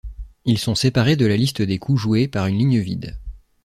Ils sont séparés de la liste des coups joués par une ligne vide.